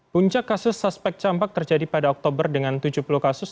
puncak kasus suspek campak terjadi pada oktober dengan tujuh puluh kasus